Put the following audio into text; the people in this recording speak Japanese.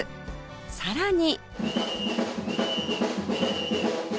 さらに